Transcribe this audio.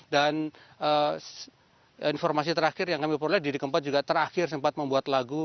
dan informasi terakhir yang kami perlukan didi kempot juga terakhir sempat membuat lagu